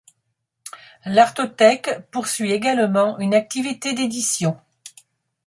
L'artothèque poursuit également une activité d'édition.